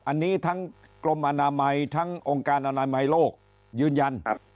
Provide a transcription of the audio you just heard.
อันนี้ทั้งกรมอนามัยทั้งองค์การอนามัยโลกยืนยัน